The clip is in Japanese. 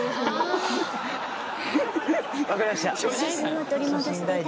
分かりました。